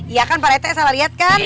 iya kan pak rete salah lihat kan